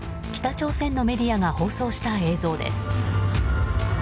北朝鮮のメディアが放送した映像です。